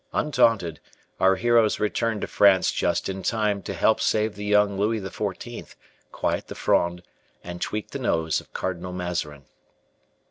Undaunted, our heroes return to France just in time to help save the young Louis XIV, quiet the Fronde, and tweak the nose of Cardinal Mazarin.